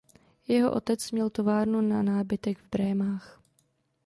Jeho otec měl továrnu na nábytek v Brémách.